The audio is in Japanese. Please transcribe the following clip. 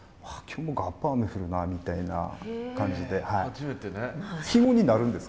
今日もがっぱ雨降るな」みたいな感じで。